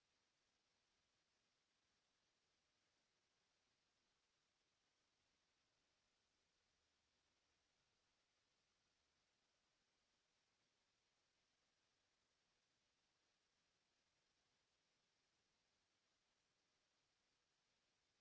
โปรดติดตามต่อไป